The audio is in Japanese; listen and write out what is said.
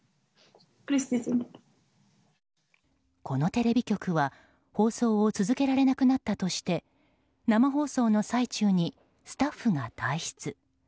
このテレビ局は放送を続けられなくなったとして生放送の最中にスタッフが退出。